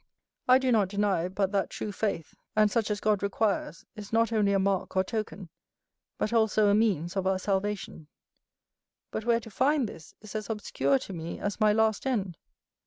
I do not deny but that true faith, and such as God requires, is not only a mark or token, but also a means, of our salvation; but, where to find this, is as obscure to me as my last end.